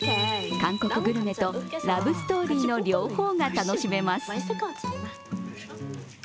韓国グルメとラブストーリーの両方が楽しめます。